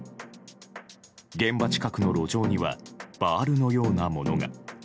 現場近くの路上にはバールのようなものが。